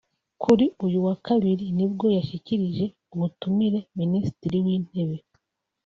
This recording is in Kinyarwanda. kuri uyu wa kabiri nibwo yashyikirije ubutumire Minisitiri w’Intebe